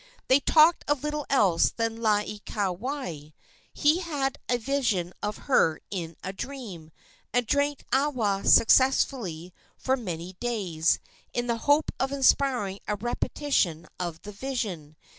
They talked of little else than Laieikawai. He had a vision of her in a dream, and drank awa successively for many days, in the hope of inspiring a repetition of the vision.